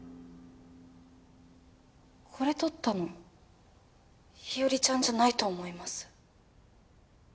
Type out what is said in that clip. これ撮ったの日和ちゃんじゃないと思います。